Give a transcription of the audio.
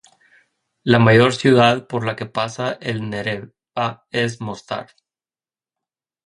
La mayor ciudad por la que pasa el Neretva es Mostar.